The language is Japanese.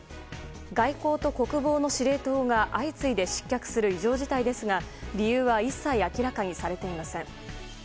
外交と国防の司令塔が相次いで失脚する異常事態ですが理由は一切明らかにされていません。